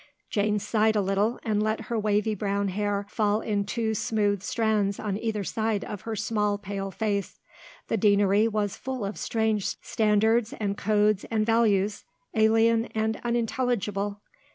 Jane sighed a little, and let her wavy brown hair fall in two smooth strands on either side of her small pale face. The Deanery was full of strange standards and codes and values, alien and unintelligible.